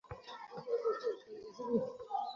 তিন বছর আগে সমাজের সুধীদের নিয়ে একটি মতবিনিময় সভা করা হয়।